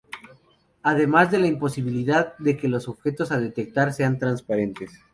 Además de la imposibilidad de que los objetos a detectar sean transparentes.